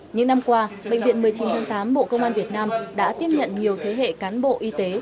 những năm qua bệnh viện một mươi chín tháng tám bộ công an việt nam đã tiếp nhận nhiều thế hệ cán bộ y tế